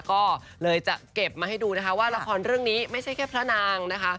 ก็เลยจะเก็บมาให้ดูนะคะว่าละครเรื่องนี้ไม่ใช่แค่พระนางนะคะ